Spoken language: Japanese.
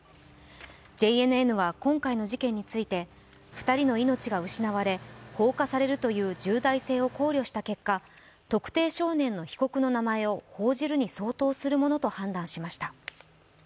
ＪＮＮは今回の事件について、２人の命が失われ放火されるという重大性を考慮した結果特定少年の被告の名前を報じるに相当なものと判断しました。